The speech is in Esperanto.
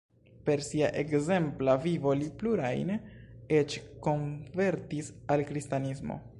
Per sia ekzempla vivo li plurajn eĉ konvertis al kristanismo.